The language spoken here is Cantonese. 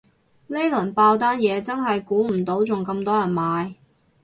呢輪爆單嘢真係估唔到仲咁多人買